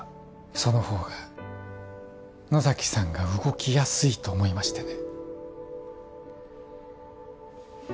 その方が野崎さんが動きやすいと思いましてね